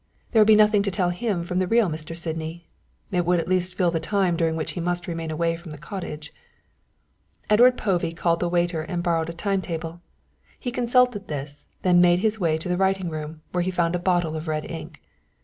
There would be nothing to tell him from the real Mr. Sydney. It would at least fill in the time during which he must remain away from the cottage. Edward Povey called the waiter and borrowed a time table. He consulted this, then made his way to the writing room, where he found a bottle of red ink.